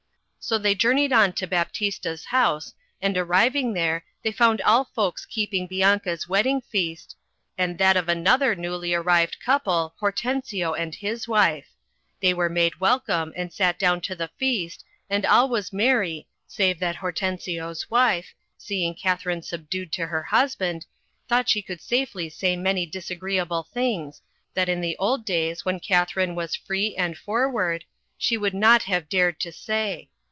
So they journeyed on to Baptista's house, and arriving there, they found all folks keeping* Bianca's wedding feast, and that of another newly married couple, Hortensio and his wife. They were made welcome, and sat down to the feast, and all was merry, save that Hortensio's wife, seeing Katharine subdued to her husband, thought she could safely say many disagreeable things, that in the old days, when Katharine was free and forward, she would not have dared to say.